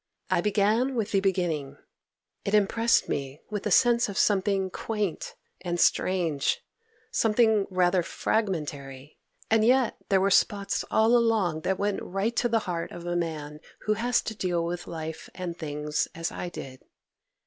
I began with the beginning; it impressed me with a sense of something quaint and strange—something rather fragmentary; and yet there were spots all along that went right to the heart of a man who has to deal with life and things as I did.